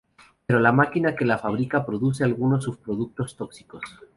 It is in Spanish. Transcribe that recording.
Pero la máquina que la fábrica produce algunos subproductos tóxicos.